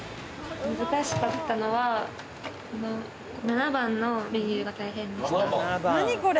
難しかったのは７番のメニューが大変でした。